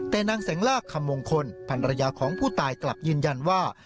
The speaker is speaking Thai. แต่นางแสงลากคำมงคลพันรยาของผู้ตายกลับยืนยันว่า